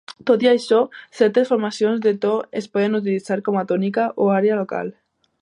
Tot i això, certes formacions de to es poden utilitzar com a "tònica" o àrea local.